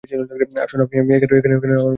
আসুন, আপনি এখনো আপনার ফ্লাইট ধরতে পারবেন।